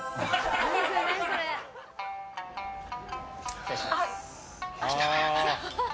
失礼します。